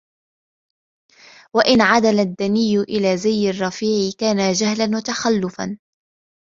وَإِنْ عَدَلَ الدَّنِيءُ إلَى زِيِّ الرَّفِيعِ كَانَ جَهْلًا وَتَخَلُّفًا